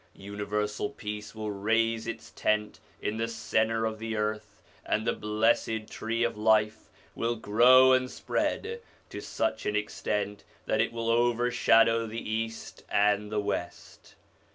Universal peace will raise its tent in the centre of the earth, and the Blessed Tree of Life will grow and spread to such an extent that it will overshadow the East and the West.